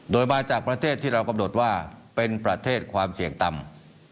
โดยมาจากประเทศที่เรากำหนดว่าเป็นประเทศความเสี่ยงต่ำ